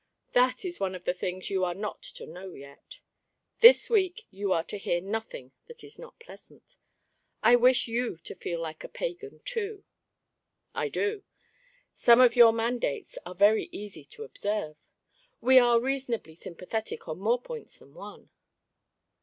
"That is one of the things you are not to know yet. This week you are to hear nothing that is not pleasant. I wish you to feel like a pagan, too." "I do. Some of your mandates are very easy to observe. We are reasonably sympathetic on more points than one."